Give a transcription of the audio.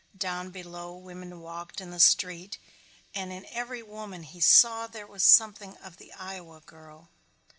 Down below women walked in the street and in every woman he saw there was something of the Iowa girl.